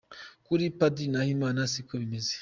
Kuri Padiri Nahimana si ko bimeze.